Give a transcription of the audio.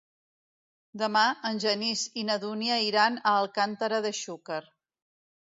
Demà en Genís i na Dúnia iran a Alcàntera de Xúquer.